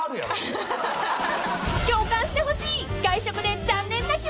［共感してほしい！］